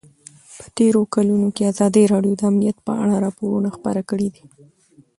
په تېرو کلونو کې ازادي راډیو د امنیت په اړه راپورونه خپاره کړي دي.